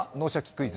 クイズ」